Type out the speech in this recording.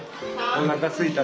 おなかすいた。